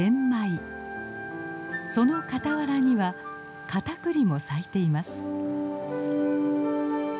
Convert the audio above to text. その傍らにはカタクリも咲いています。